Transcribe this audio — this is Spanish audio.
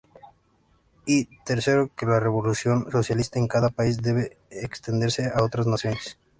Y, tercero, que la revolución socialista en cada país debe extenderse a otras naciones.